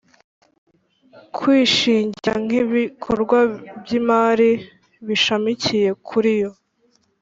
kwishingira nk ibikorwa by imari bishamikiye kuriyo